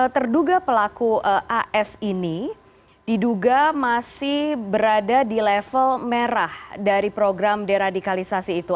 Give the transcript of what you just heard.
terduga pelaku as ini diduga masih berada di level merah dari program deradikalisasi itu